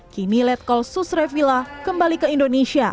kini letkol susre vila kembali ke indonesia